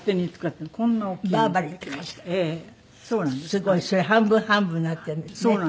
すごい。それ半分半分になっているんですね。